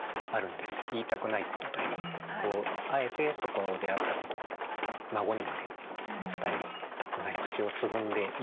言いたくないことというかこうあえてそこであったことを孫にまで伝えたくない口をつぐんでいたい。